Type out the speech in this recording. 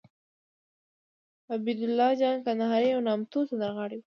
عبیدالله جان کندهاری یو نامتو سندرغاړی وو